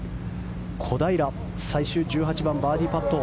小平、最終１８番バーディーパット。